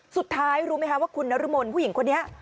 สุดท้ายรู้ไหมคะว่าคุณนรมนผู้หญิงคนนี้